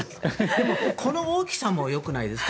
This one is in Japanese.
でもこの大きさもよくないですか？